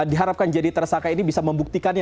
diharapkan jadi tersangka ini bisa membuktikannya